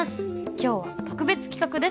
今日は特別企画です